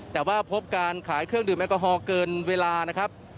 แต่ว่าพบการขายเครื่องดื่มแอลกอฮอลเกินเวลานะครับ